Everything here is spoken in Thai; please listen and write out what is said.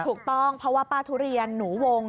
ถูกต้องเพราะว่าป้าทุเรียนหนูวง